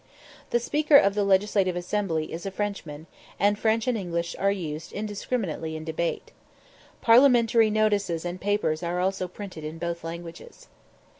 The Speaker of the Legislative Assembly is a Frenchman, and French and English are used indiscriminately in debate. Parliamentary notices and papers are also printed in both languages.